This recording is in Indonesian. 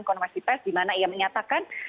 konversi pres dimana ia menyatakan